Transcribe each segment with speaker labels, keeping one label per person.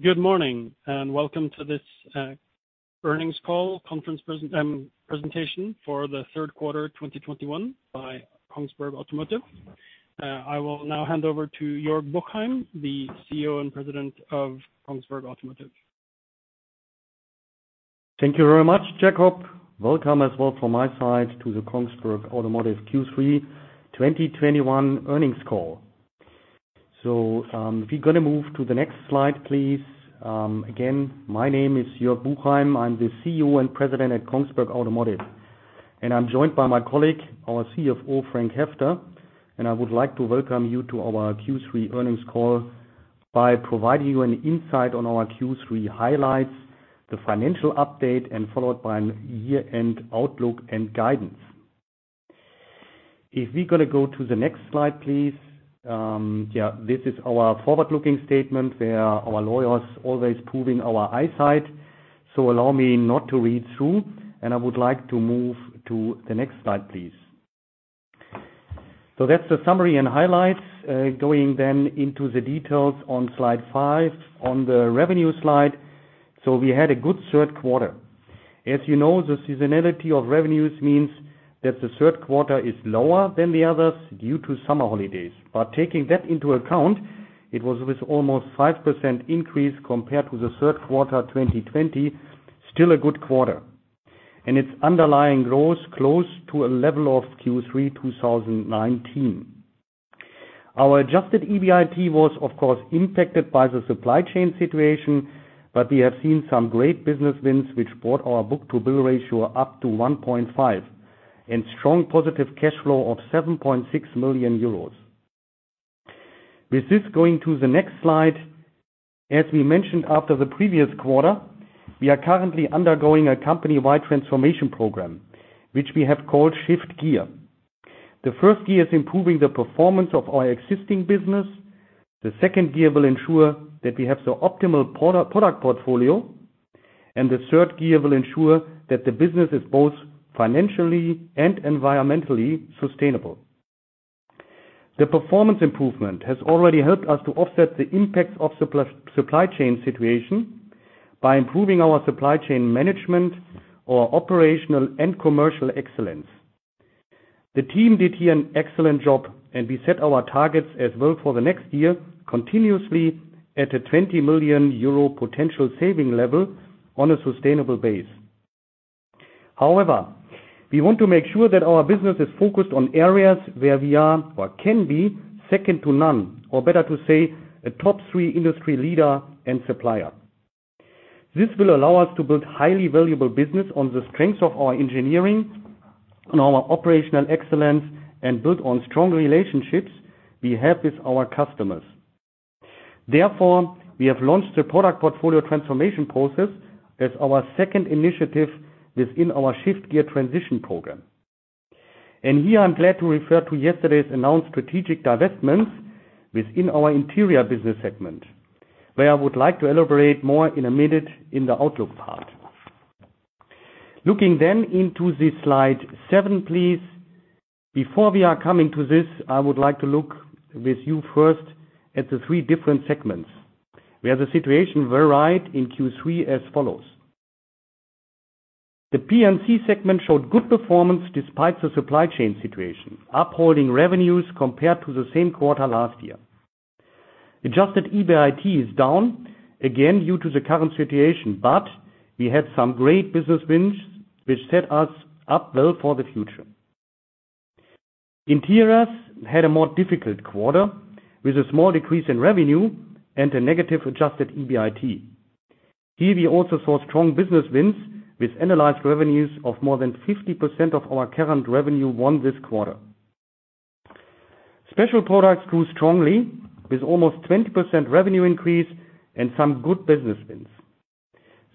Speaker 1: Good morning, and welcome to this Earnings Call presentation for the Q3 2021 by Kongsberg Automotive. I will now hand over to Joerg Buchheim, the CEO and President of Kongsberg Automotive.
Speaker 2: Thank you very much, Jakob. Welcome as well from my side to the Kongsberg Automotive Q3 2021 Earnings Call. If we're gonna move to the next slide, please. Again, my name is Joerg Buchheim. I'm the CEO and President at Kongsberg Automotive. I'm joined by my colleague, our CFO, Frank Heffter. I would like to welcome you to our Q3 Earnings Call by providing you an insight on our Q3 highlights, the financial update, and followed by a year-end outlook and guidance. If we're gonna go to the next slide, please. This is our forward-looking statement where our lawyers always proving our eyesight. Allow me not to read through, and I would like to move to the next slide, please. That's the summary and highlights. Going then into the details on slide five, on the revenue slide. We had a good Q3. As you know, the seasonality of revenues means that the Q3 is lower than the others due to summer holidays. Taking that into account, it was with almost 5% increase compared to the Q3 2020, still a good quarter. Its underlying growth close to a level of Q3 2019. Our adjusted EBIT was, of course, impacted by the supply chain situation, but we have seen some great business wins which brought our book-to-bill ratio up to 1.5, and strong positive cash flow of 7.6 million euros. With this, going to the next slide. As we mentioned after the previous quarter, we are currently undergoing a company-wide transformation program, which we have called Shift Gear. The first gear is improving the performance of our existing business. The second gear will ensure that we have the optimal product portfolio. The third gear will ensure that the business is both financially and environmentally sustainable. The performance improvement has already helped us to offset the impacts of supply chain situation by improving our supply chain management or operational and commercial excellence. The team did here an excellent job, and we set our targets as well for the next year continuously at a 20 million euro potential saving level on a sustainable base. However, we want to make sure that our business is focused on areas where we are or can be second to none, or better to say, a top three industry leader and supplier. This will allow us to build highly valuable business on the strengths of our engineering, on our operational excellence, and build on strong relationships we have with our customers. Therefore, we have launched a product portfolio transformation process as our second initiative within our Shift Gear transition program. Here I'm glad to refer to yesterday's announced strategic divestments within our Interior business segment, where I would like to elaborate more in a minute in the outlook part. Looking then into the slide seven, please. Before we are coming to this, I would like to look with you first at the three different segments, where the situation varied in Q3 as follows. The PMC segment showed good performance despite the supply chain situation, upholding revenues compared to the same quarter last year. Adjusted EBIT is down, again, due to the current situation, but we had some great business wins which set us up well for the future. Interior had a more difficult quarter, with a small decrease in revenue and a negative adjusted EBIT. Here we also saw strong business wins with annualized revenues of more than 50% of our current revenue won this quarter. Specialty Products grew strongly, with almost 20% revenue increase and some good business wins.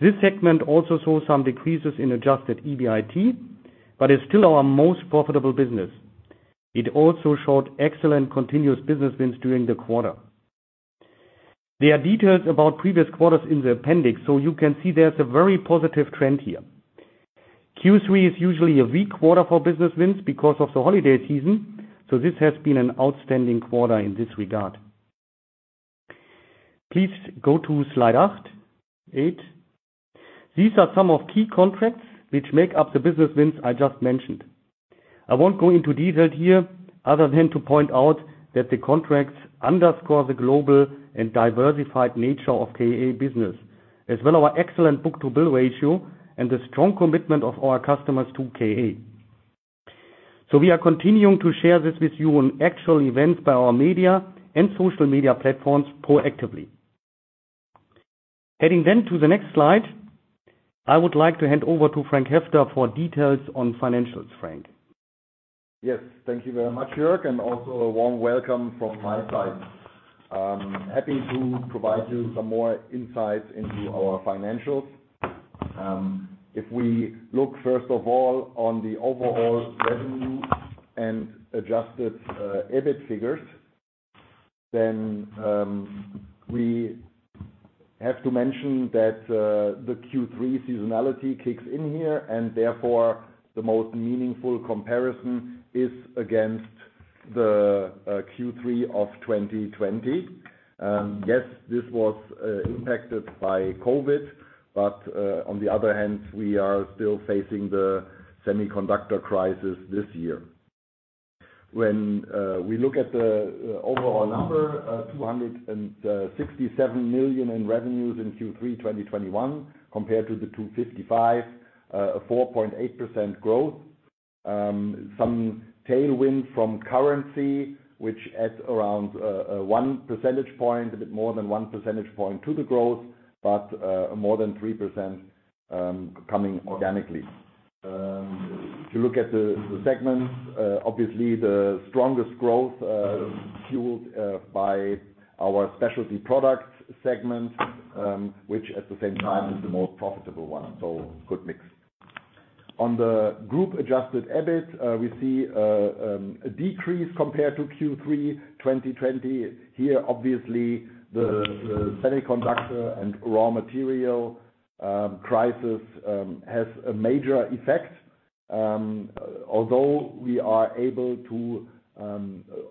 Speaker 2: This segment also saw some decreases in adjusted EBIT, but is still our most profitable business. It also showed excellent continuous business wins during the quarter. There are details about previous quarters in the appendix, so you can see there's a very positive trend here. Q3 is usually a weak quarter for business wins because of the holiday season, so this has been an outstanding quarter in this regard. Please go to slide eight. These are some of the key contracts which make up the business wins I just mentioned. I won't go into detail here other than to point out that the contracts underscore the global and diversified nature of KA's business, as well as our excellent book-to-bill ratio and the strong commitment of our customers to KA. We are continuing to share this with you on actual events by our media and social media platforms proactively. Heading to the next slide, I would like to hand over to Frank Heffter for details on financials. Frank.
Speaker 3: Yes. Thank you very much, Joerg, and also a warm welcome from my side. Happy to provide you some more insights into our financials. If we look first of all on the overall revenue and adjusted EBIT figures, then we have to mention that the Q3 seasonality kicks in here, and therefore, the most meaningful comparison is against the Q3 of 2020. Yes, this was impacted by COVID, but on the other hand, we are still facing the semiconductor crisis this year. When we look at the overall number, 267 million in revenues in Q3 2021 compared to the 255 million, 4.8% growth. Some tailwind from currency, which adds around 1 percentage point, a bit more than 1 percentage point to the growth, but more than 3% coming organically. If you look at the segments, obviously the strongest growth fueled by our Specialty Products segment, which at the same time is the most profitable one. Good mix. On the group adjusted EBIT, we see a decrease compared to Q3 2020. Here, obviously, the semiconductor and raw material crisis has a major effect. Although we are able to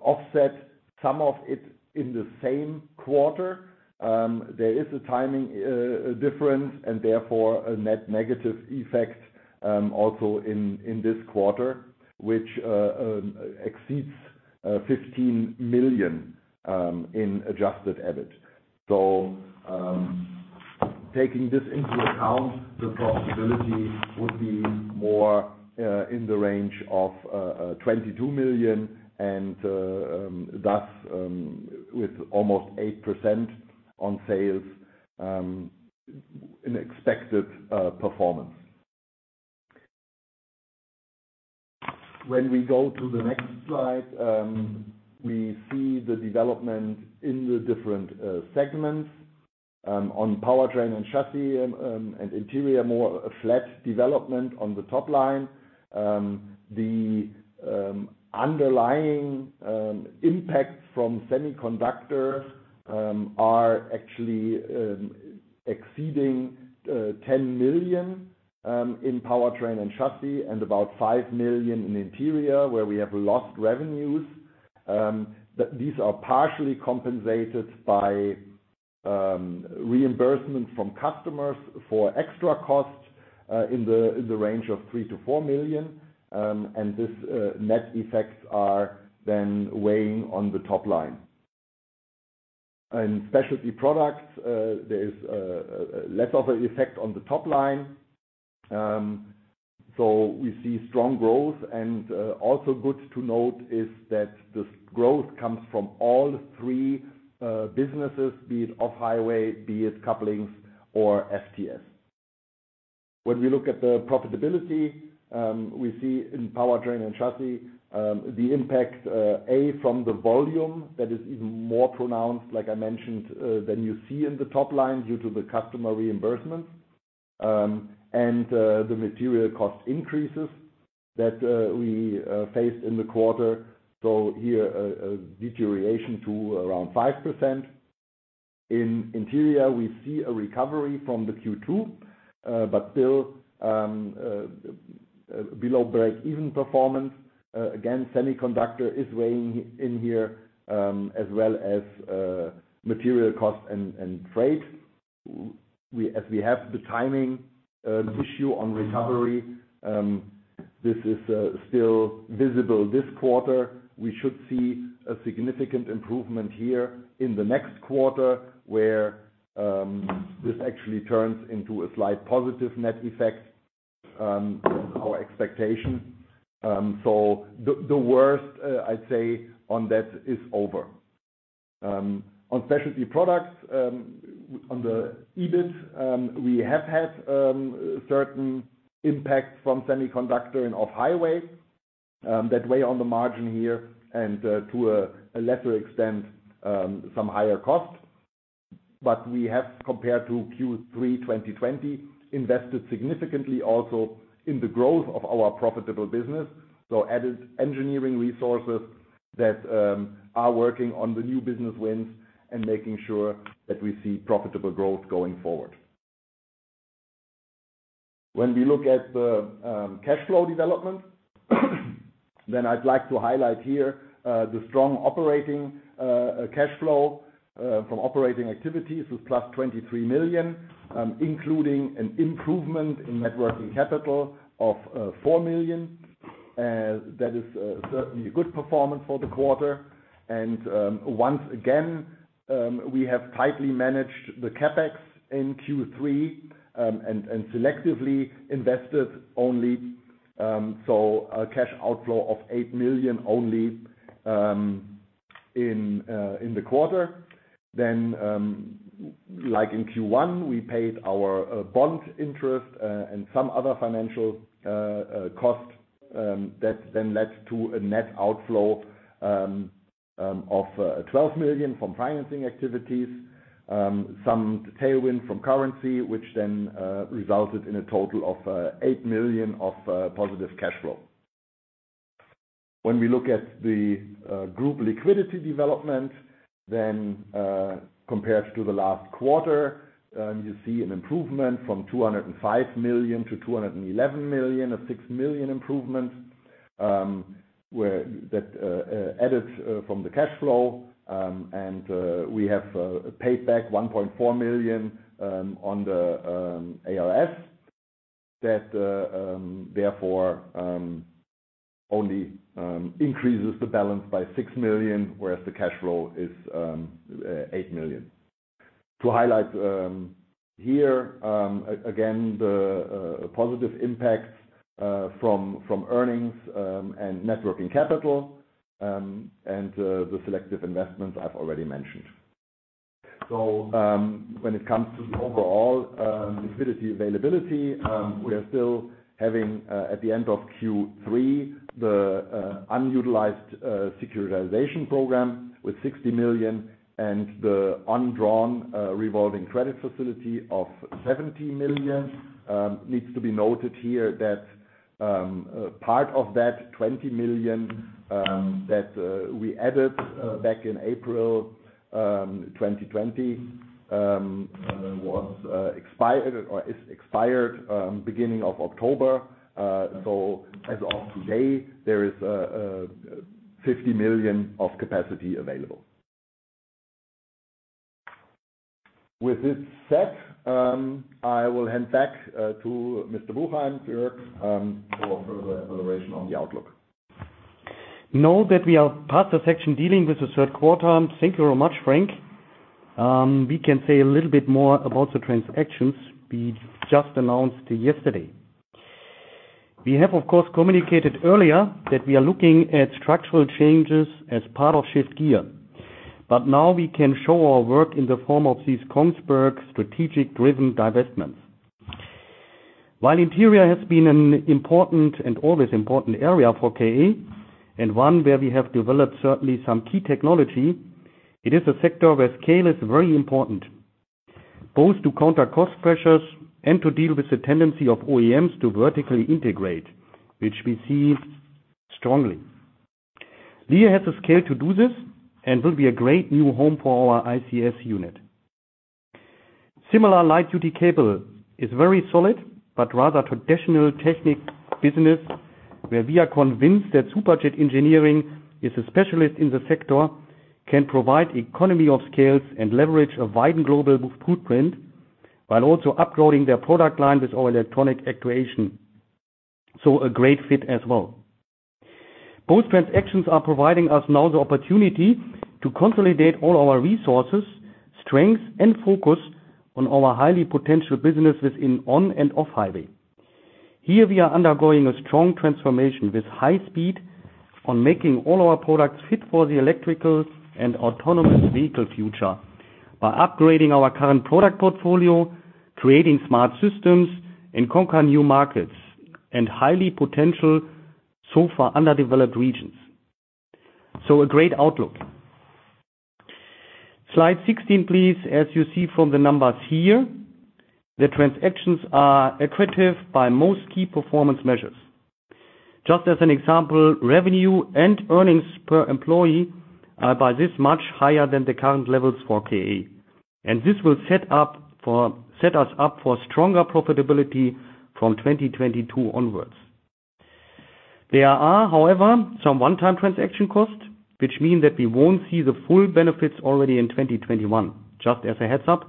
Speaker 3: offset some of it in the same quarter, there is a timing difference and therefore a net negative effect also in this quarter, which exceeds 15 million in adjusted EBIT. Taking this into account, the profitability would be more in the range of 22 million and thus with almost 8% on sales, an expected performance. When we go to the next slide, we see the development in the different segments on powertrain and chassis and interior, more a flat development on the top line. The underlying impact from semiconductors are actually exceeding 10 million in powertrain and chassis and about 5 million in interior where we have lost revenues. These are partially compensated by reimbursement from customers for extra costs in the range of 3 million to 4 million. This net effects are then weighing on the top line. In specialty products, there is less of an effect on the top line. We see strong growth and also good to note is that this growth comes from all three businesses, be it Off-Highway, be it Couplings or FTS. When we look at the profitability, we see in powertrain and chassis the impact from the volume that is even more pronounced, like I mentioned, than you see in the top line due to the customer reimbursements, the material cost increases that we faced in the quarter. Here, a deterioration to around 5%. In interior, we see a recovery from the Q2, but still below breakeven performance. Again, semiconductor is weighing in here, as well as material costs and freight. As we have the timing issue on recovery, this is still visible this quarter. We should see a significant improvement here in the next quarter, where this actually turns into a slight positive net effect, our expectation. The worst I'd say on that is over. On Specialty Products, on the EBIT, we have had certain impacts from semiconductor and Off-Highway that weigh on the margin here and, to a lesser extent, some higher costs. We have, compared to Q3 2020, invested significantly also in the growth of our profitable business, added engineering resources that are working on the new business wins and making sure that we see profitable growth going forward. When we look at the cash flow development, then I'd like to highlight here the strong operating cash flow from operating activities with 23 million, including an improvement in net working capital of 4 million. That is certainly a good performance for the quarter. Once again, we have tightly managed the CapEx in Q3 and selectively invested only, so a cash outflow of 8 million only in the quarter. Like in Q1, we paid our bond interest and some other financial costs that then led to a net outflow of 12 million from financing activities, some tailwind from currency, which then resulted in a total of 8 million of positive cash flow. When we look at the group liquidity development then compared to the last quarter, you see an improvement from 205 million to 211 million, a 6 million improvement, where that arises from the cash flow, and we have paid back 1.4 million on the ABS that therefore only increases the balance by 6 million, whereas the cash flow is 8 million. To highlight here again the positive impact from earnings and net working capital and the selective investments I've already mentioned. When it comes to overall liquidity availability, we are still having at the end of Q3 the unutilized securitization program with 60 million and the undrawn revolving credit facility of 70 million. Needs to be noted here that part of that 20 million that we added back in April 2020 was expired or is expired beginning of October. So as of today, there is 50 million of capacity available. With this said, I will hand back to Mr. Buchheim, Joerg, for further elaboration on the outlook.
Speaker 2: Now that we are past the section dealing with the Q3, thank you very much, Frank. We can say a little bit more about the transactions we just announced yesterday. We have, of course, communicated earlier that we are looking at structural changes as part of Shift Gear, but now we can show our work in the form of these Kongsberg strategic-driven divestments. While Interior has been an important and always important area for KA and one where we have developed certainly some key technology, it is a sector where scale is very important, both to counter cost pressures and to deal with the tendency of OEMs to vertically integrate, which we see strongly. Lear has the scale to do this and will be a great new home for our ICS unit. Similar light-duty cable is very solid, but rather traditional technical business where we are convinced that Suprajit Engineering is a specialist in the sector, can provide economies of scale and leverage a wide global footprint while also uploading their product line with our electronic actuation. A great fit as well. Both transactions are providing us now the opportunity to consolidate all our resources, strengths, and focus on our high-potential businesses in on- and off-highway. Here we are undergoing a strong transformation with high speed on making all our products fit for the electrified and autonomous vehicle future by upgrading our current product portfolio, creating smart systems, and conquer new markets and high-potential so far underdeveloped regions. A great outlook. Slide 16, please. As you see from the numbers here, the transactions are accretive by most key performance measures. Just as an example, revenue and earnings per employee are by this much higher than the current levels for KA. This will set us up for stronger profitability from 2022 onwards. There are, however, some one-time transaction costs, which mean that we won't see the full benefits already in 2021. Just as a heads-up,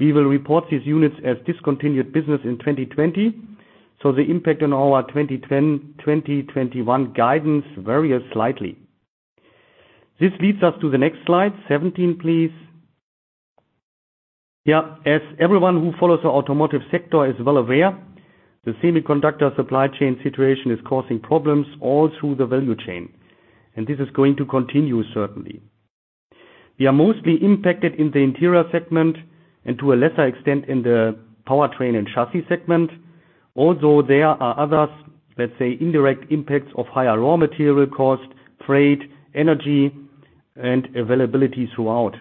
Speaker 2: we will report these units as discontinued business in 2020, so the impact on our 2020, 2021 guidance varies slightly. This leads us to the next slide. Seventeen, please. Yeah. As everyone who follows the automotive sector is well aware, the semiconductor supply chain situation is causing problems all through the value chain, and this is going to continue, certainly. We are mostly impacted in the interior segment and to a lesser extent in the powertrain and chassis segment, although there are others, let's say, indirect impacts of higher raw material cost, freight, energy, and availability throughout.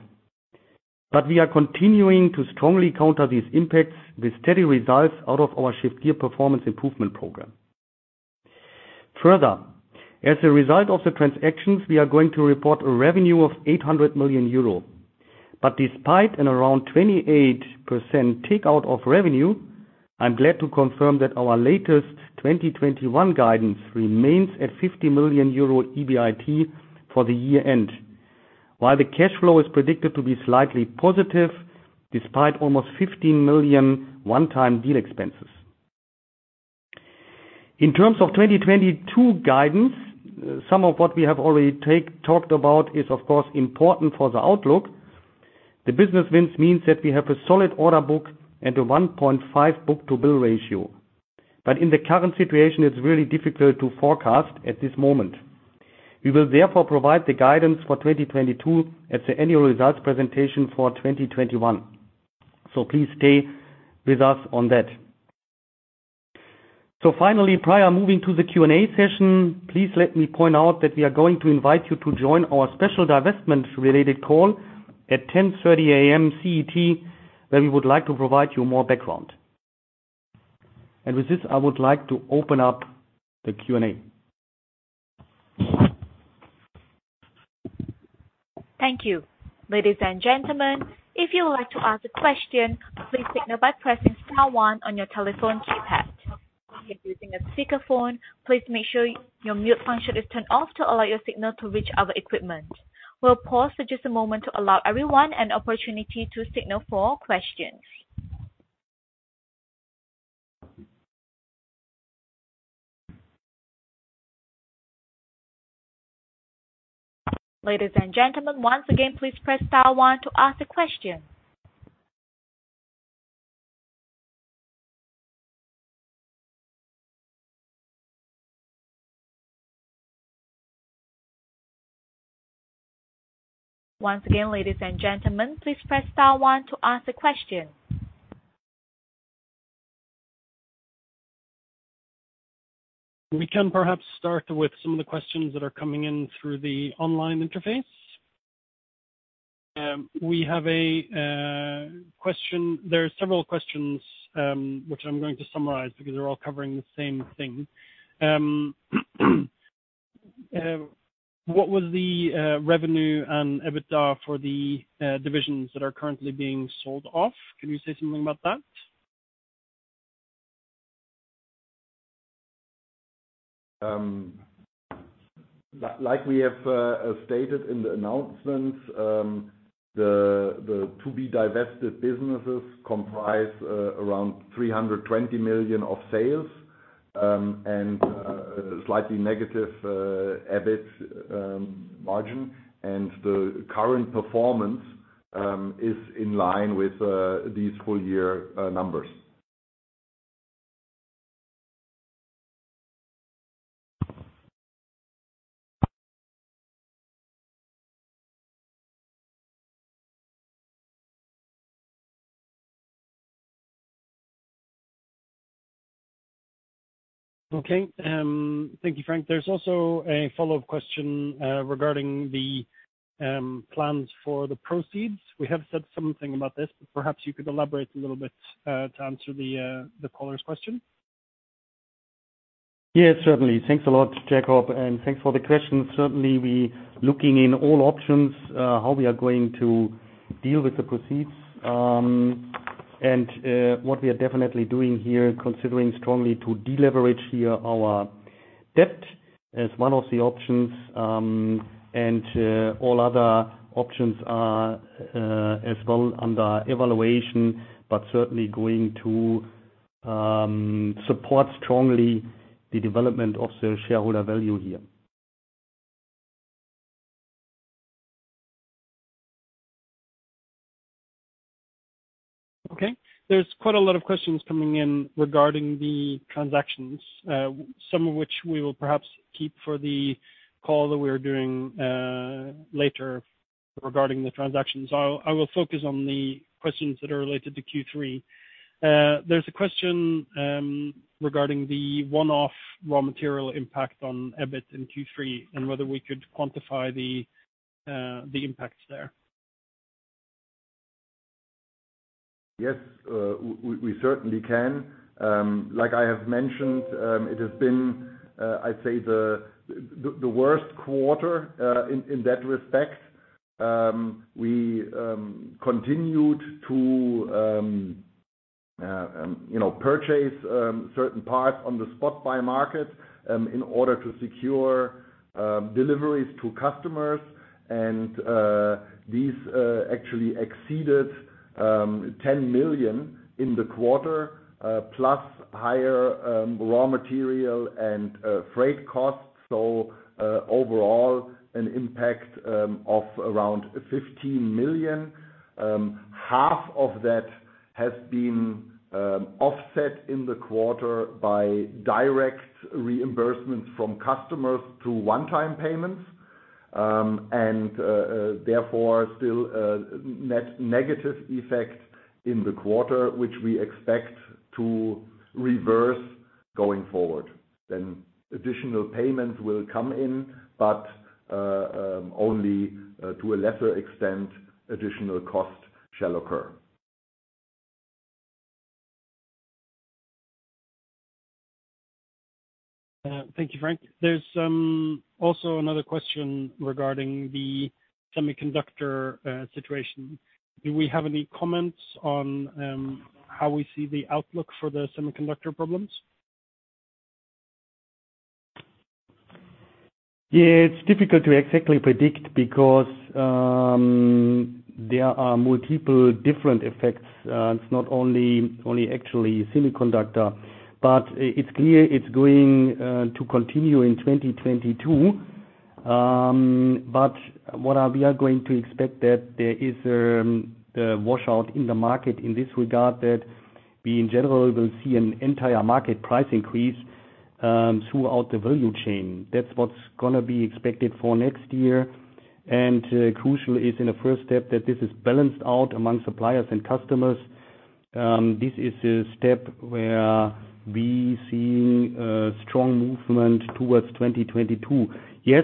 Speaker 2: We are continuing to strongly counter these impacts with steady results out of our Shift Gear performance improvement program. Further, as a result of the transactions, we are going to report a revenue of 800 million euro. Despite an around 28% take out of revenue, I'm glad to confirm that our latest 2021 guidance remains at 50 million euro EBIT for the year-end, while the cash flow is predicted to be slightly positive despite almost 15 million one-time deal expenses. In terms of 2022 guidance, some of what we have already talked about is of course, important for the outlook. The business wins means that we have a solid order book and a 1.5 book-to-bill ratio. In the current situation, it's really difficult to forecast at this moment. We will therefore provide the guidance for 2022 at the annual results presentation for 2021. Please stay with us on that. Finally, prior to moving to the Q&A session, please let me point out that we are going to invite you to join our special divestment-related call at 10:30 A.M. CET, where we would like to provide you more background. With this, I would like to open up the Q&A.
Speaker 4: Thank you. Ladies and gentlemen, if you would like to ask a question, please signal by pressing star one on your telephone keypad. If you're using a speakerphone, please make sure your mute function is turned off to allow your signal to reach our equipment. We'll pause for just a moment to allow everyone an opportunity to signal for questions. Ladies and gentlemen, once again, please press star one to ask a question. Once again, ladies and gentlemen, please press star one to ask a question.
Speaker 1: We can perhaps start with some of the questions that are coming in through the online interface. We have a question. There are several questions, which I'm going to summarize because they're all covering the same thing. What was the revenue and EBITDA for the divisions that are currently being sold off? Can you say something about that?
Speaker 3: Like we have stated in the announcements, the to-be-divested businesses comprise around 320 million of sales and slightly negative EBIT margin. The current performance is in line with these full year numbers.
Speaker 1: Okay. Thank you, Frank. There's also a follow-up question regarding the plans for the proceeds. We have said something about this. Perhaps you could elaborate a little bit to answer the caller's question.
Speaker 2: Yes, certainly. Thanks a lot, Jakob, and thanks for the question. Certainly, we're looking into all options how we are going to deal with the proceeds. What we are definitely doing here, strongly considering to deleverage our debt as one of the options. All other options are as well under evaluation, but certainly going to support strongly the development of the shareholder value here.
Speaker 1: Okay. There's quite a lot of questions coming in regarding the transactions, some of which we will perhaps keep for the call that we are doing later regarding the transactions. I will focus on the questions that are related to Q3. There's a question regarding the one-off raw material impact on EBIT in Q3 and whether we could quantify the impact there.
Speaker 3: Yes, we certainly can. Like I have mentioned, it has been, I'd say the worst quarter in that respect. We continued to, you know, purchase certain parts on the spot buy market in order to secure deliveries to customers. These actually exceeded 10 million in the quarter, plus higher raw material and freight costs. Overall, an impact of around 15 million. Half of that has been offset in the quarter by direct reimbursements from customers through one-time payments. Therefore, still a negative effect in the quarter, which we expect to reverse going forward. Additional payments will come in, but only to a lesser extent, additional costs shall occur.
Speaker 1: Thank you, Frank. There's also another question regarding the semiconductor situation. Do we have any comments on how we see the outlook for the semiconductor problems?
Speaker 2: Yeah. It's difficult to exactly predict because there are multiple different effects. It's not only actually semiconductor. It's clear it's going to continue in 2022. What we are going to expect is that there is a washout in the market in this regard that we in general will see an entire market price increase throughout the value chain. That's what's gonna be expected for next year. Crucial is, in the first step, that this is balanced out among suppliers and customers. This is a step where we're seeing a strong movement towards 2022. Yes,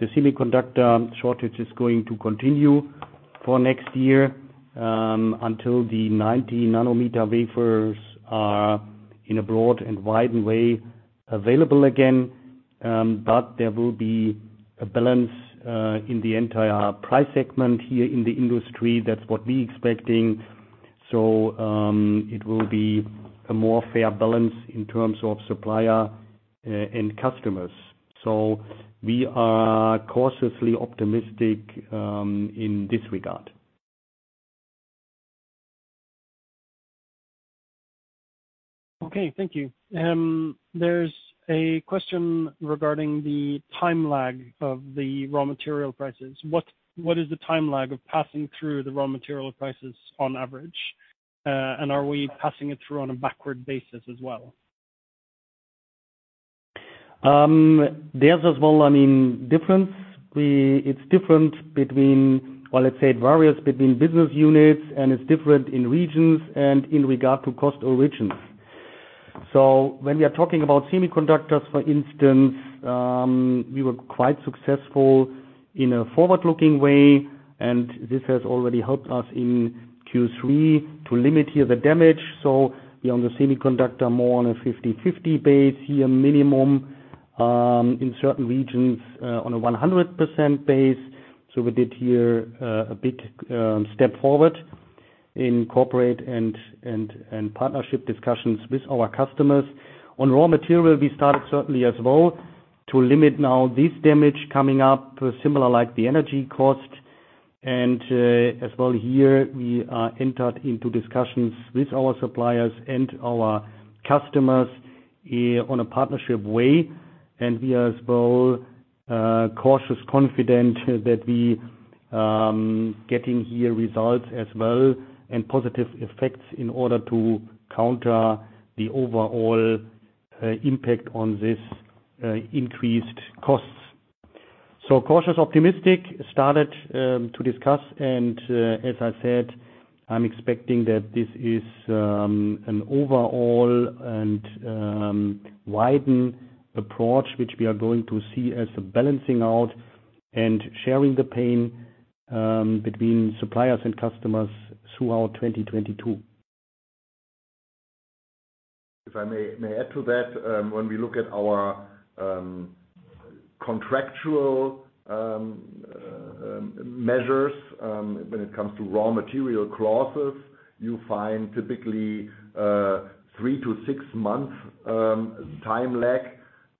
Speaker 2: the semiconductor shortage is going to continue for next year until the 90 nm wafers are in a broad and wide way available again, but there will be a balance in the entire price segment here in the industry. That's what we're expecting. It will be a more fair balance in terms of suppliers and customers. We are cautiously optimistic in this regard.
Speaker 1: Okay, thank you. There's a question regarding the time lag of the raw material prices. What is the time lag of passing through the raw material prices on average? Are we passing it through on a backward basis as well?
Speaker 2: There's as well, I mean, difference. It's different between, well, let's say it varies between business units, and it's different in regions and in regard to cost origins. When we are talking about semiconductors, for instance, we were quite successful in a forward-looking way, and this has already helped us in Q3 to limit the damage. We're on the semiconductor more on a 50/50 basis here minimum, in certain regions, on a 100% basis. We did here a big step forward in cooperation and partnership discussions with our customers. On raw material, we started certainly as well to limit now this damage coming up, similar to the energy cost. As well here we have entered into discussions with our suppliers and our customers, on a partnership way. We are as well cautiously confident that we are getting better results as well, and positive effects in order to counter the overall impact of these increased costs. Cautiously optimistic, started to discuss, and as I said, I'm expecting that this is an overall and widespread approach, which we are going to see as a balancing out and sharing the pain between suppliers and customers throughout 2022.
Speaker 3: If I may add to that, when we look at our contractual measures, when it comes to raw material clauses, you find typically three to six month time lag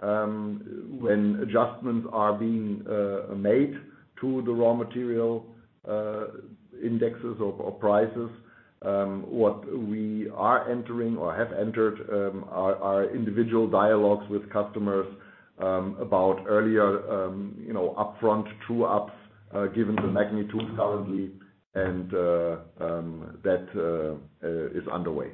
Speaker 3: when adjustments are being made to the raw material indexes or prices. What we are entering or have entered are individual dialogues with customers about earlier, you know, upfront true-ups given the magnitude currently and that is underway.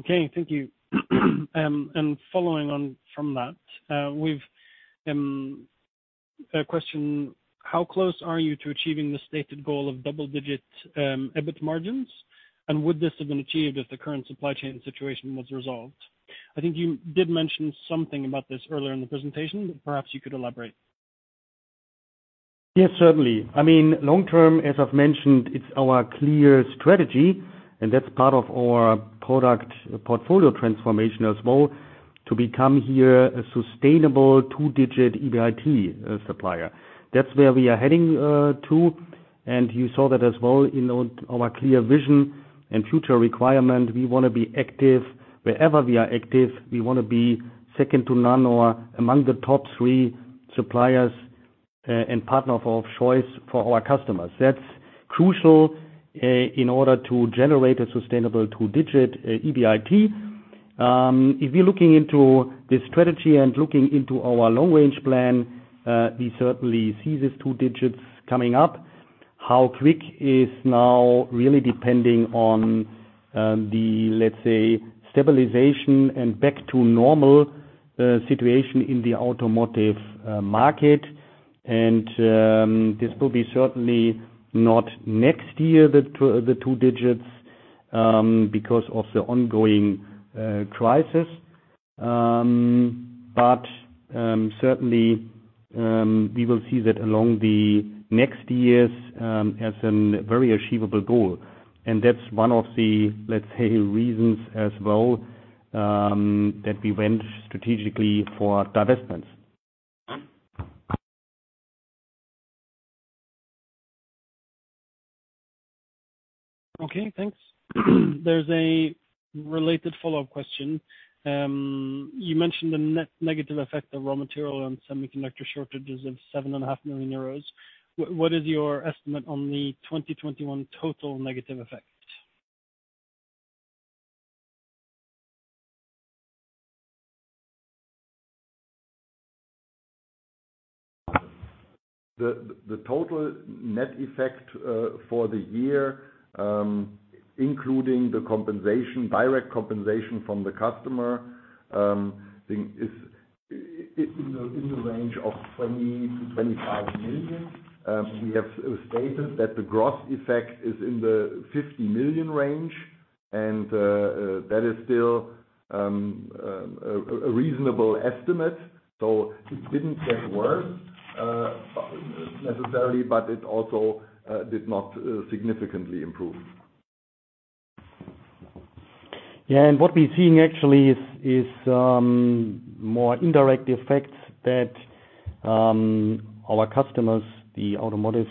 Speaker 1: Okay, thank you. Following on from that, we've a question: How close are you to achieving the stated goal of double digit EBIT margins? Would this have been achieved if the current supply chain situation was resolved? I think you did mention something about this earlier in the presentation. Perhaps you could elaborate.
Speaker 2: Yes, certainly. I mean, long term, as I've mentioned, it's our clear strategy, and that's part of our product portfolio transformation as well, to become here a sustainable two-digit EBIT supplier. That's where we are heading to. You saw that as well in our clear vision and future requirement. We wanna be active. Wherever we are active, we wanna be second to none or among the top three suppliers and partner of choice for our customers. That's crucial in order to generate a sustainable two-digit EBIT. If you're looking into the strategy and looking into our long range plan, we certainly see these two digits coming up. How quick is now really depending on the, let's say, stabilization and back to normal situation in the automotive market. This will be certainly not next year, the two digits, because of the ongoing crisis. Certainly, we will see that along the next years as a very achievable goal. That's one of the, let's say, reasons as well that we went strategically for divestments.
Speaker 1: Okay, thanks. There's a related follow-up question. You mentioned the net negative effect of raw material and semiconductor shortages of 7.5 million euros. What is your estimate on the 2021 total negative effect?
Speaker 3: The total net effect for the year, including the compensation, direct compensation from the customer thing is in the range of 20 million to 25 million. We have stated that the gross effect is in the 50 million range and that is still a reasonable estimate. It didn't get worse necessarily, but it also did not significantly improve.
Speaker 2: Yeah. What we're seeing actually is more indirect effects that our customers, the automotive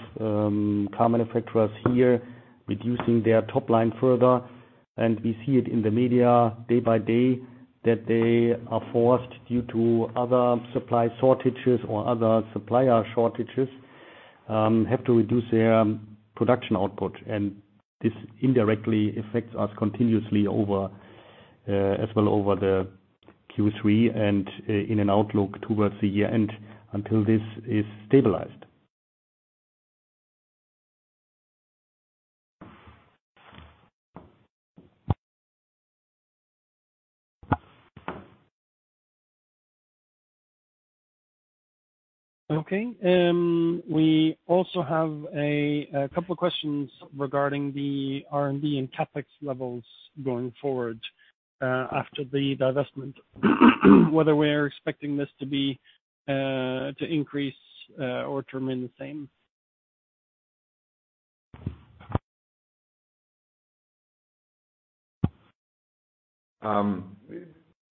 Speaker 2: car manufacturers here reducing their top line further. We see it in the media day by day that they are forced due to other supply shortages or other supplier shortages have to reduce their production output. This indirectly affects us continuously over, as well over the Q3 and in an outlook towards the year end until this is stabilized.
Speaker 1: Okay. We also have a couple of questions regarding the R&D and CapEx levels going forward after the divestment, whether we're expecting this to increase or to remain the same.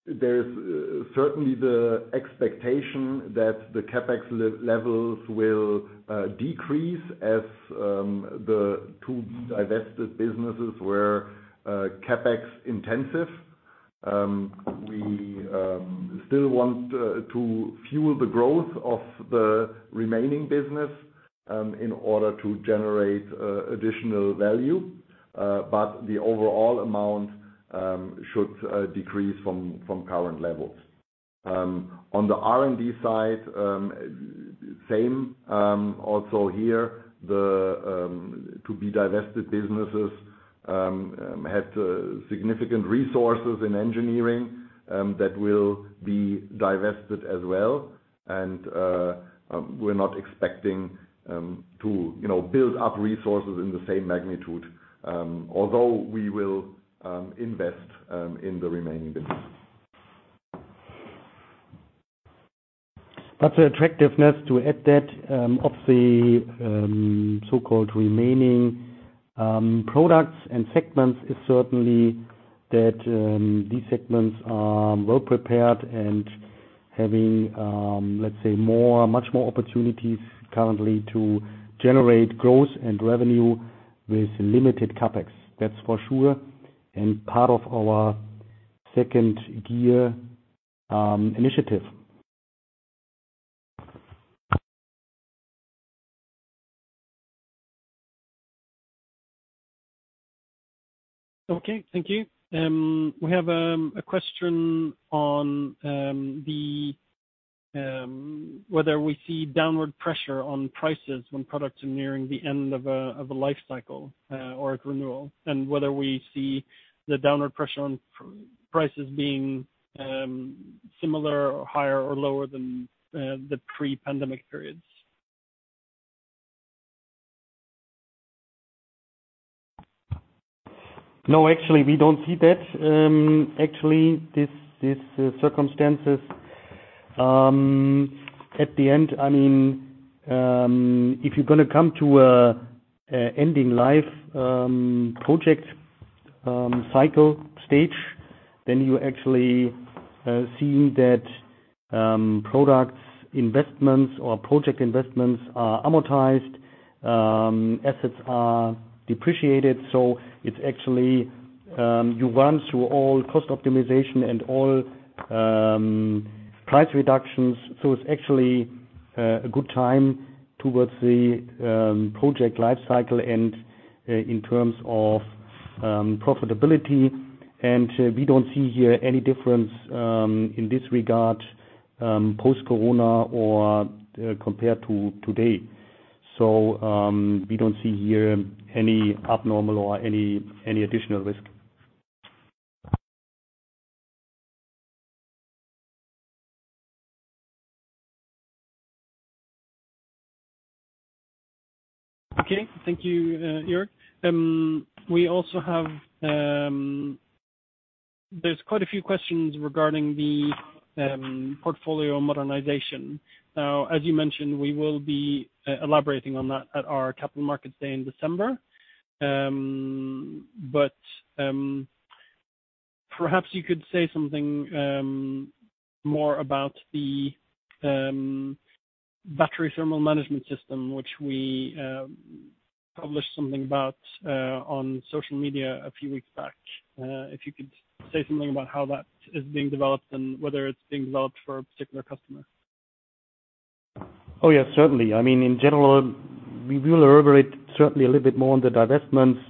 Speaker 3: There's certainly the expectation that the CapEx levels will decrease as the two divested businesses were CapEx intensive. We still want to fuel the growth of the remaining business in order to generate additional value. The overall amount should decrease from current levels. On the R&D side, same also here. The to be divested businesses had significant resources in engineering that will be divested as well. We're not expecting, you know, to build up resources in the same magnitude, although we will invest in the remaining business.
Speaker 2: The attractiveness to add that, of the, so-called remaining, products and segments is certainly that, these segments are well prepared and having, let's say more, much more opportunities currently to generate growth and revenue with limited CapEx. That's for sure, and part of our Shift Gear initiative.
Speaker 1: Okay. Thank you. We have a question on whether we see downward pressure on prices when products are nearing the end of a life cycle or at renewal. Whether we see the downward pressure on prices being similar or higher or lower than the pre-pandemic periods.
Speaker 2: No, actually, we don't see that. Actually, these circumstances at the end, I mean, if you're gonna come to an end-of-life project cycle stage, then you actually see that product investments or project investments are amortized, assets are depreciated. It's actually you run through all cost optimization and all price reductions. It's actually a good time toward the project life cycle and in terms of profitability. We don't see here any difference in this regard post-corona or compared to today. We don't see here any abnormal or any additional risk.
Speaker 1: Okay. Thank you, Joerg. We also have, there's quite a few questions regarding the portfolio modernization. As you mentioned, we will be elaborating on that at our capital markets day in December. Perhaps you could say something more about the battery thermal management system, which we published something about on social media a few weeks back. If you could say something about how that is being developed and whether it's being developed for a particular customer.
Speaker 2: Oh, yeah, certainly. I mean, in general, we will elaborate certainly a little bit more on the divestments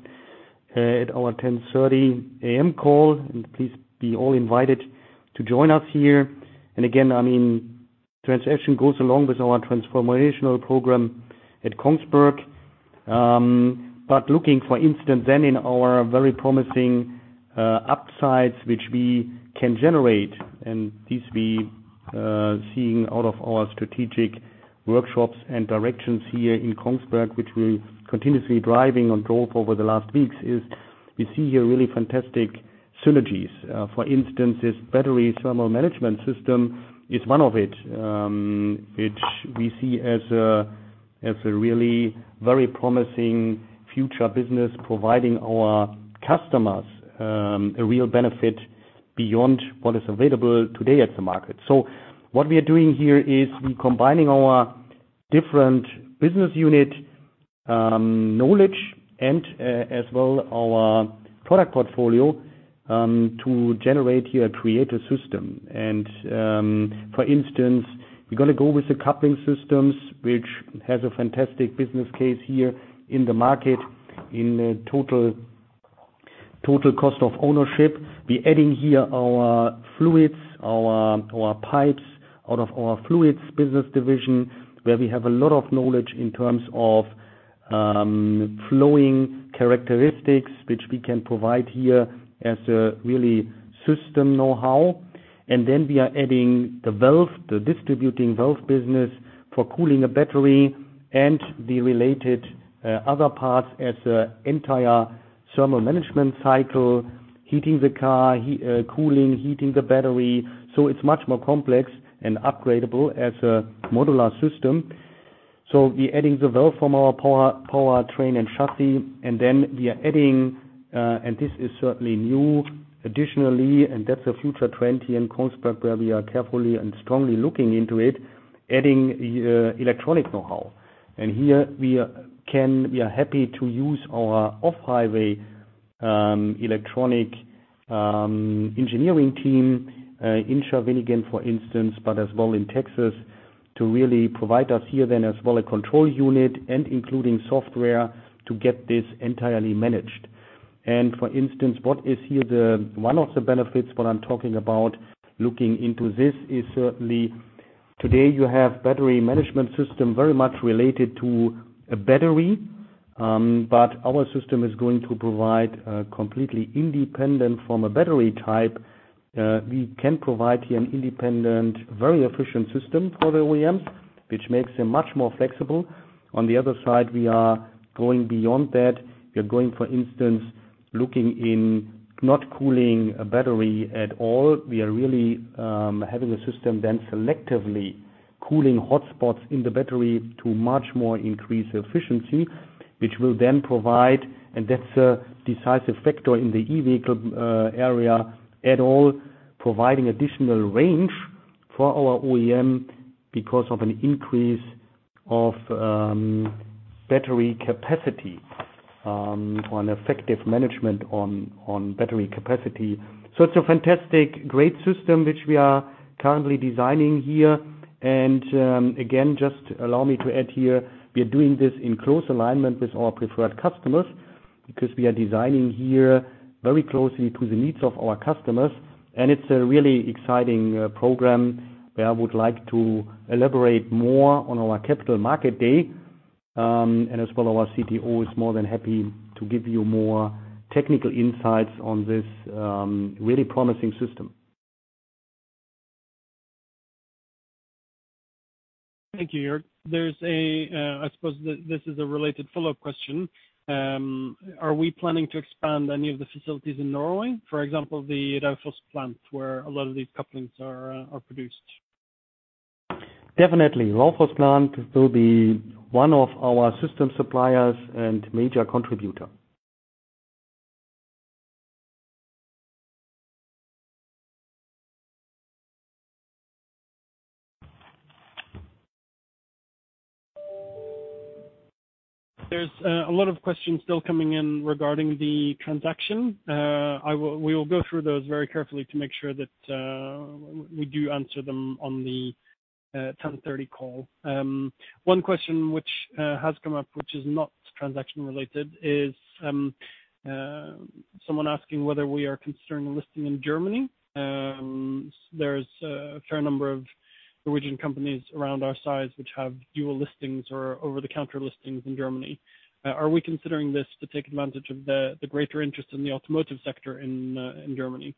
Speaker 2: at our 10:30 A.M. Call, and please be all invited to join us here. Again, I mean, transaction goes along with our transformational program at Kongsberg. Looking, for instance, then in our very promising upsides which we can generate, and this we're seeing out of our strategic workshops and directions here in Kongsberg, which we continuously drive on top over the last weeks, is we see here really fantastic synergies. For instance, this battery thermal management system is one of it, which we see as a really very promising future business, providing our customers a real benefit beyond what is available today at the market. What we are doing here is we're combining our different business unit knowledge and as well as our product portfolio to generate here a creative system. For instance, we're gonna go with the coupling systems, which has a fantastic business case here in the market in total cost of ownership. We're adding here our fluids, our pipes out of our fluids business division, where we have a lot of knowledge in terms of flow characteristics, which we can provide here as a real system know-how. We are adding the valve, the distributing valve business for cooling a battery and the related other parts as the entire thermal management cycle, heating the car, cooling, heating the battery. It's much more complex and upgradable as a modular system. We're adding the valve from our powertrain and chassis, and then we are adding, and this is certainly new additionally, and that's a future trend here in Kongsberg, where we are carefully and strongly looking into it, adding electronic know-how. We are happy to use our Off-Highway electronic engineering team in Schaerbeek, for instance, but as well in Texas, to really provide us here then as well a control unit and including software to get this entirely managed. For instance, one of the benefits, what I'm talking about looking into this is certainly today you have battery management system very much related to a battery, but our system is going to provide completely independent from a battery type. We can provide here an independent, very efficient system for the OEMs, which makes them much more flexible. On the other side, we are going beyond that. We are going, for instance, looking into not cooling a battery at all. We are really having a system then selectively cooling hotspots in the battery to much more increase efficiency, which will then provide, and that's a decisive factor in the e-vehicle area at all, providing additional range for our OEM because of an increase of battery capacity on effective management on battery capacity. It's a fantastic, great system which we are currently designing here. Again, just allow me to add here, we are doing this in close alignment with our preferred customers 'cause we are designing here very closely to the needs of our customers. It's a really exciting program where I would like to elaborate more on our capital market day. As well, our CTO is more than happy to give you more technical insights on this really promising system.
Speaker 1: Thank you, Joerg. I suppose this is a related follow-up question. Are we planning to expand any of the facilities in Norway, for example, the Raufoss plant where a lot of these couplings are produced?
Speaker 2: Definitely. Raufoss plant will be one of our system suppliers and major contributor.
Speaker 1: There's a lot of questions still coming in regarding the transaction. We will go through those very carefully to make sure that we do answer them on the 10:30 Call. One question which has come up, which is not transaction related, is someone asking whether we are considering listing in Germany. There's a fair number of Norwegian companies around our size which have dual listings or over-the-counter listings in Germany. Are we considering this to take advantage of the greater interest in the automotive sector in Germany?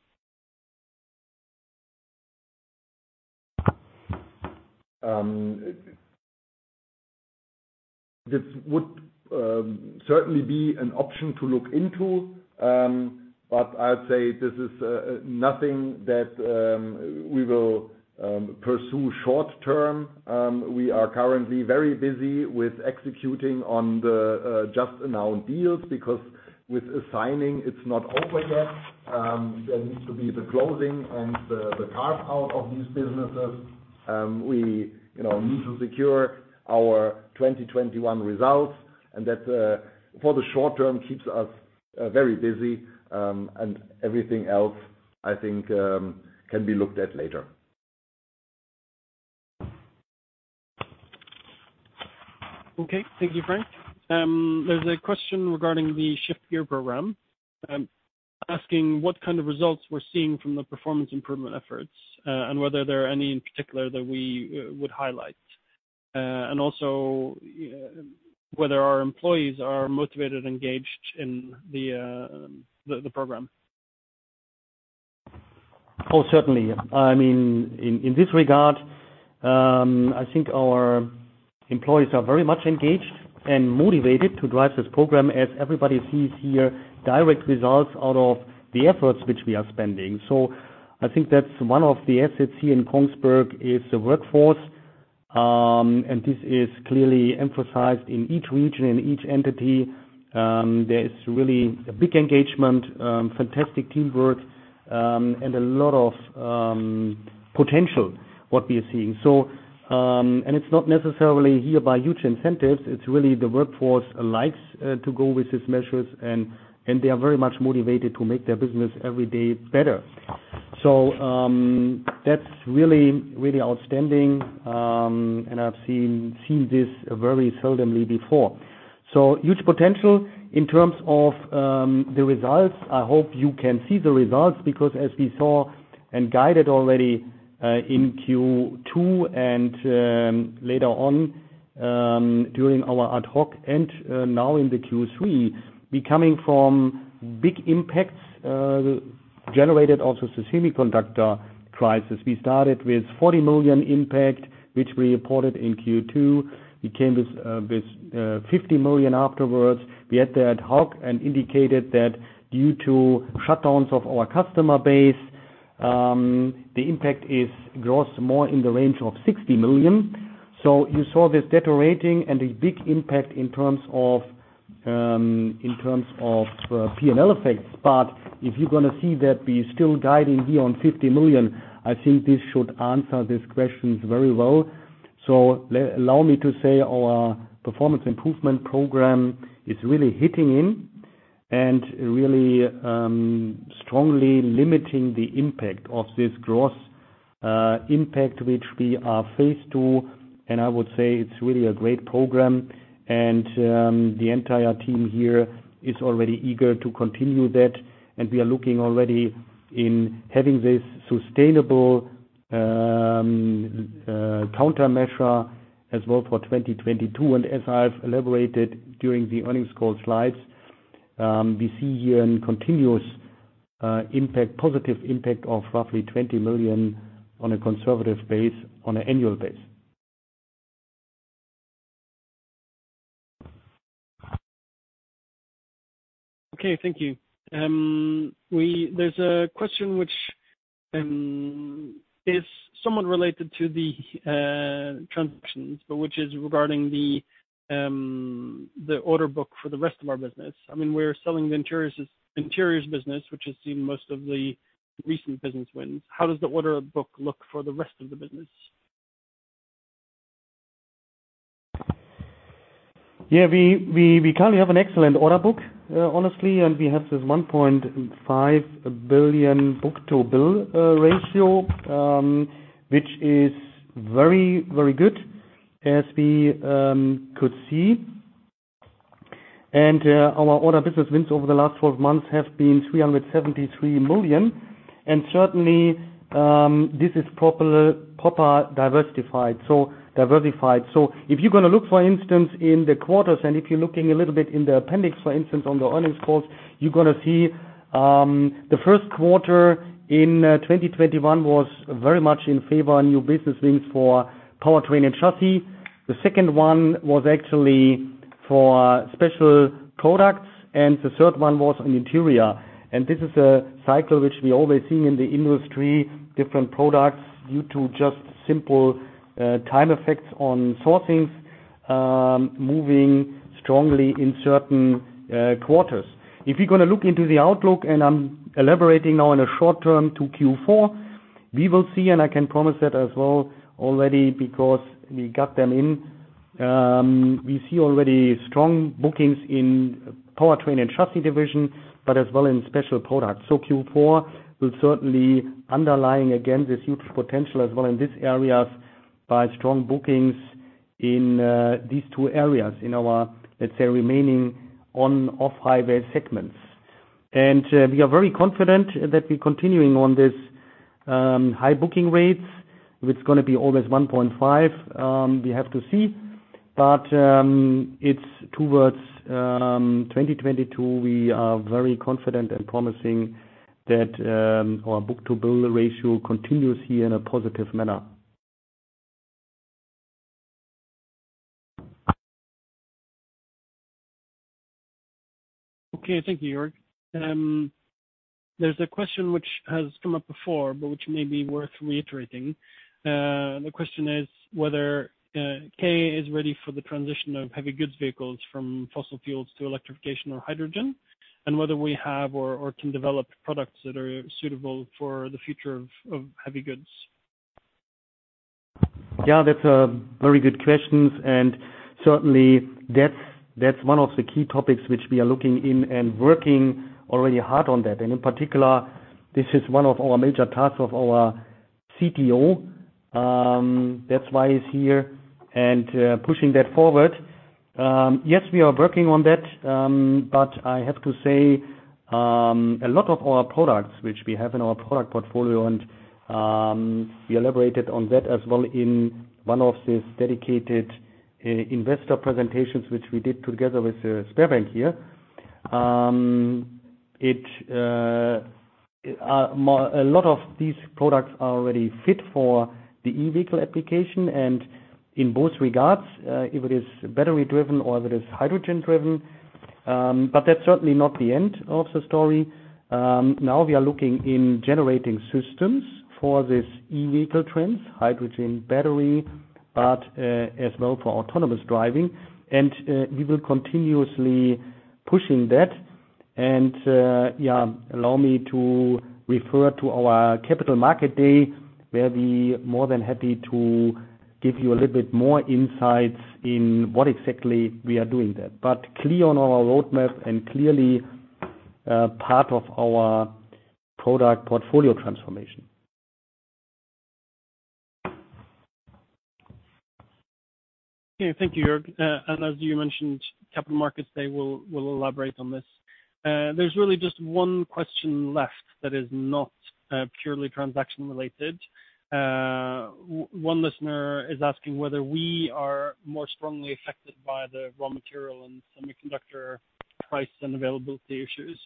Speaker 3: This would certainly be an option to look into. I'd say this is nothing that we will pursue short term. We are currently very busy with executing on the just announced deals because with the signing it's not over yet. There needs to be the closing and the carve-out of these businesses. We, you know, need to secure our 2021 results, and that for the short term keeps us very busy, and everything else, I think, can be looked at later.
Speaker 1: Okay. Thank you, Frank. There's a question regarding the Shift Gear program asking what kind of results we're seeing from the performance improvement efforts, and whether there are any in particular that we would highlight. Also whether our employees are motivated, engaged in the program.
Speaker 2: Oh, certainly. I mean, in this regard, I think our employees are very much engaged and motivated to drive this program as everybody sees here, direct results out of the efforts which we are spending. I think that's one of the assets here in Kongsberg is the workforce, and this is clearly emphasized in each region, in each entity. There's really a big engagement, fantastic teamwork, and a lot of potential, what we are seeing. It's not necessarily hereby huge incentives. It's really the workforce likes to go with these measures and they are very much motivated to make their business every day better. That's really, really outstanding, and I've seen this very seldomly before. Huge potential in terms of the results. I hope you can see the results because as we saw and guided already, in Q2 and later on, during our ad hoc and now in the Q3, we coming from big impacts, generated also the semiconductor crisis. We started with 40 million impact, which we reported in Q2. We came with fifty million afterwards. We had the ad hoc and indicated that due to shutdowns of our customer base, the impact grows more in the range of 60 million. You saw this deteriorating and a big impact in terms of, in terms of, P&L effects. If you're gonna see that we're still guiding here on 50 million, I think this should answer these questions very well. Allow me to say our performance improvement program is really kicking in and really strongly limiting the impact of this gross impact, which we are faced with. I would say it's really a great program, and the entire team here is already eager to continue that, and we are looking already into having this sustainable countermeasure as well for 2022. As I've elaborated during the Earnings Call slides, we see a continuous positive impact of roughly 20 million on a conservative basis on an annual basis.
Speaker 1: Okay, thank you. There's a question which is somewhat related to the transactions, but which is regarding the order book for the rest of our business. I mean, we're selling the Interiors business, which has seen most of the recent business wins. How does the order book look for the rest of the business?
Speaker 2: Yeah. We currently have an excellent order book, honestly, and we have this 1.5 book-to-bill ratio, which is very good as we could see. Our new business wins over the last 12 months have been 373 million. Certainly, this is properly diversified. If you're gonna look, for instance, in the quarters and if you're looking a little bit in the appendix, for instance, on the Earnings Calls, you're gonna see the Q1 in 2021 was very much in favor of new business wins for powertrain and chassis. The second one was actually for Specialty Products, and the third one was on Interior. This is a cycle which we always see in the industry, different products due to just simple time effects on sourcing, moving strongly in certain quarters. If you're gonna look into the outlook and I'm elaborating now on a short term to Q4, we will see, and I can promise that as well already because we got them in. We see already strong bookings in Powertrain and Chassis division, but as well in Specialty Products. Q4 will certainly underlining again this huge potential as well in these areas by strong bookings in these two areas in our, let's say, remaining Off-Highway segments. We are very confident that we're continuing on this high booking rates. If it's gonna be always 1.5, we have to see. It's towards 2022, we are very confident and promising that our book-to-bill ratio continues here in a positive manner.
Speaker 1: Okay. Thank you, Joerg. There's a question which has come up before, but which may be worth reiterating. The question is whether KA is ready for the transition of heavy goods vehicles from fossil fuels to electrification or hydrogen, and whether we have or can develop products that are suitable for the future of heavy goods.
Speaker 2: Yeah, that's a very good question. Certainly that's one of the key topics which we are looking into and working already hard on that. In particular, this is one of our major tasks of our CTO. That's why he's here and pushing that forward. Yes, we are working on that. But I have to say, a lot of our products which we have in our product portfolio and we elaborated on that as well in one of these dedicated investor presentations which we did together with SpareBank 1 here. A lot of these products are already fit for the electric vehicle application and in both regards, if it is battery-driven or if it is hydrogen-driven. But that's certainly not the end of the story. Now we are looking in generating systems for this e-vehicle trends, hydrogen battery, but as well for autonomous driving. We will continuously pushing that. Yeah, allow me to refer to our Capital Markets Day, where we more than happy to give you a little bit more insights in what exactly we are doing there. Clear on our roadmap and clearly part of our product portfolio transformation.
Speaker 1: Okay, thank you, Joerg. As you mentioned, Capital Markets Day we'll elaborate on this. There's really just one question left that is not purely transaction related. One listener is asking whether we are more strongly affected by the raw material and semiconductor price and availability issues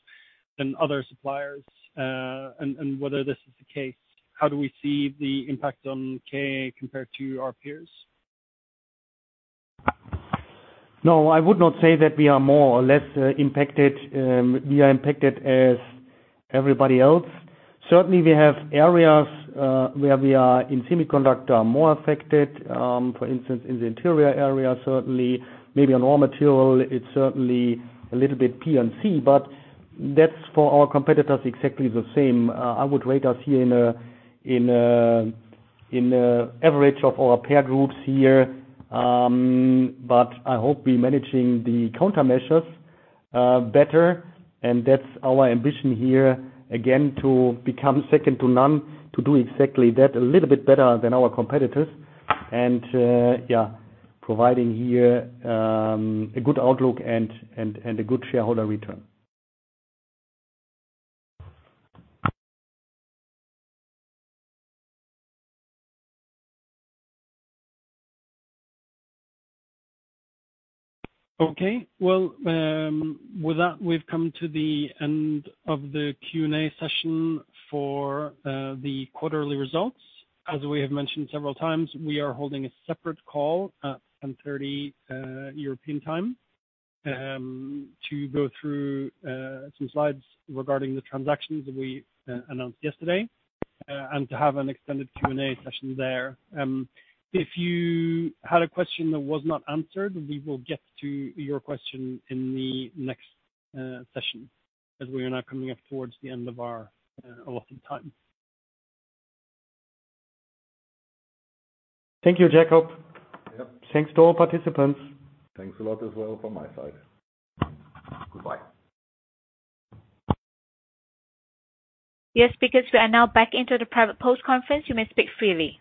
Speaker 1: than other suppliers, and whether this is the case, how do we see the impact on KA compared to our peers?
Speaker 2: No, I would not say that we are more or less impacted. We are impacted as everybody else. Certainly, we have areas where we are in semiconductor are more affected, for instance, in the interior area, certainly maybe on raw material. It's certainly a little bit P&C, but that's for our competitors, exactly the same. I would rate us here in an average of our peer groups here. But I hope we managing the countermeasures better. That's our ambition here, again, to become second to none, to do exactly that, a little bit better than our competitors. Yeah, providing here a good outlook and a good shareholder return.
Speaker 1: Okay. Well, with that, we've come to the end of the Q&A session for the quarterly results. As we have mentioned several times, we are holding a separate call at 1:30 P.M. European time to go through some slides regarding the transactions we announced yesterday and to have an extended Q&A session there. If you had a question that was not answered, we will get to your question in the next session as we are now coming up towards the end of our allotted time.
Speaker 2: Thank you, Jakob.
Speaker 1: Yep.
Speaker 2: Thanks to all participants.
Speaker 3: Thanks a lot as well from my side. Goodbye.
Speaker 4: Yes. Because we are now back into the private post conference, you may speak freely.